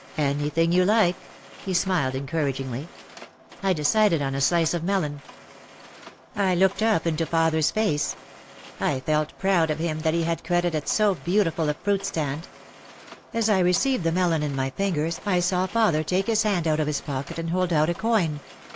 "Any thing you like," he smiled encouragingly. I decided on a slice of melon. I looked up into father's face. I felt proud of him that he had credit at so beautiful a fruit stand. As I received the melon in my fingers I saw father take his hand out of his pocket and hold out a coin.